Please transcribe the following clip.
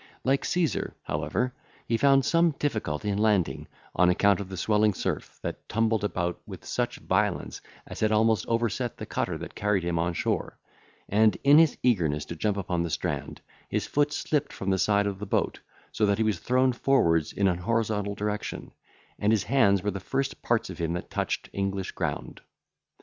Like Caesar, however, he found some difficulty in landing, on account of the swelling surf, that tumbled about with such violence as had almost overset the cutter that carried him on shore; and, in his eagerness to jump upon the strand, his foot slipped from the side of the boat, so that he was thrown forwards in an horizontal direction, and his hands were the first parts of him that touched English ground.